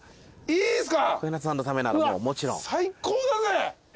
いいんすか？